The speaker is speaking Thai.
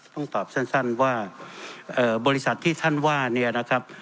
ต้องตอบสั้นว่าบริษัทที่ท่านว่าเนี่ยนะครับ